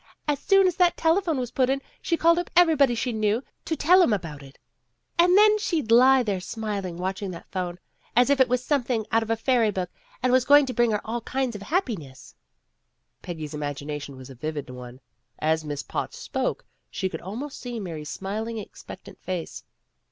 As soon as that telephone was put in, she called up everybody she knew, to tell 'em about it. And then she'd lie there smiling, watch ing that phone, as if it was something out of a fairy book and was going to bring her all kinds of happiness." Peggy's imagination was a vivid one. As Miss Potts spoke, she could almost see Mary's smiling, expectant face.